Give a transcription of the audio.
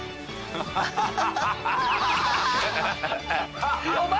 ハハハハ！